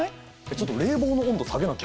ちょっと冷房の温度下げなきゃ。